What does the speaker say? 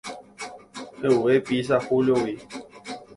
He'uve pizza Júliogui.